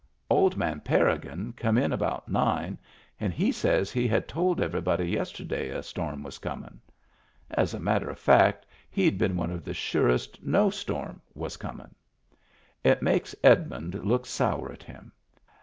Old man Parrigin come in about nine, and he says he had told everybody yesterday a storm was comin*. As a matter of fact, he'd been one of the surest no storm was comin\ It makes Edmund look sour at him.